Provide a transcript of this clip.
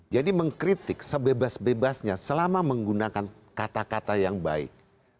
jadi mengkritik sebebas bebasnya selama menggunakan kata kata yang baik